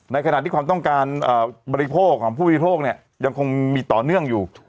ในขณะที่ความต้องการบริโภคของผู้บริโภคเนี่ยยังคงมีต่อเนื่องอยู่